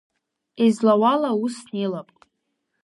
Излауала ус снеилап.